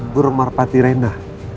burung marpati rena